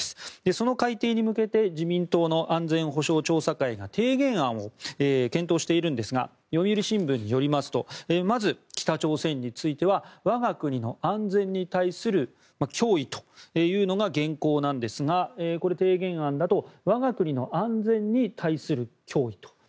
その改定に向けて自民党の安全保障調査会が提言案を検討しているんですが読売新聞によりますとまず北朝鮮については我が国の安全に対する脅威というのが現行なんですがこれが提言案だと我が国の安全に対する脅威と。